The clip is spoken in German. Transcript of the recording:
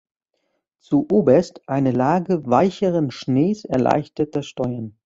Zuoberst eine Lage weicheren Schnees erleichtert das Steuern.